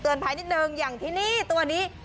ภัยนิดนึงอย่างที่นี่ตัวนี้